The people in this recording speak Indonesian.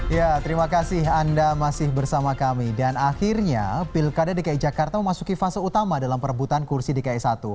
ya terima kasih anda masih bersama kami dan akhirnya pilkada dki jakarta memasuki fase utama dalam perebutan kursi dki satu